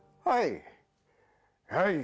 はい。